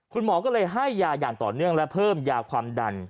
คุณหมอก็เลยให้ยาอย่างต่อเนื่องและเพิ่มยาความดัน